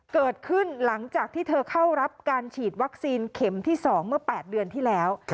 เกิดขึ้นหลังจากที่เธอเข้ารับการฉีดวัคซีนเข็มที่๒เมื่อ๘เดือนที่แล้ว